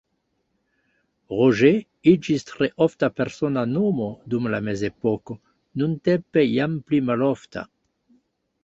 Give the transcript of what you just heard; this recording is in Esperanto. Roger iĝis tre ofta persona nomo dum la mezepoko, nuntempe jam pli malofta.